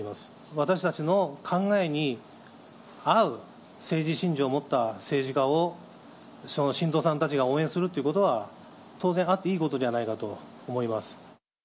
私たちの考えに合う政治信条を持った政治家を信徒さんたちが応援するということは、当然あっていいことじゃないかと思います。